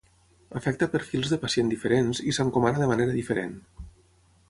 Afecta perfils de pacient diferents i s’encomana de manera diferent.